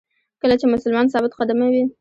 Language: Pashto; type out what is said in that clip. کله چې مسلمان ثابت قدمه وي.